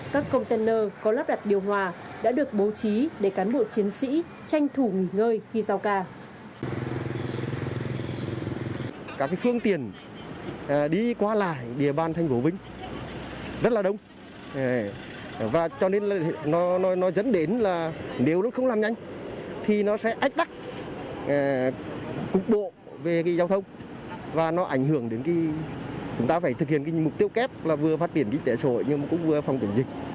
các container có lắp đặt điều hòa đã được bố trí để cán bộ chiến sĩ tranh thủ nghỉ ngơi khi giao ca